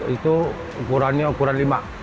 itu ukurannya ukuran lima